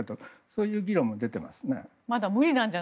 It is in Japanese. そういう議論も出ていますね。